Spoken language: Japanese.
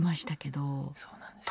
そうなんですよ。